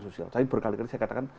sosial tapi berkali kali saya katakan